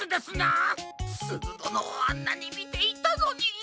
すずどのをあんなにみていたのに。